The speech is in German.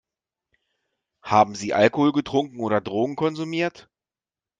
Haben Sie Alkohol getrunken oder Drogen konsumiert?